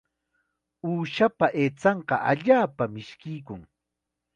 Uushapa aychanqa allaapam mishkiykun.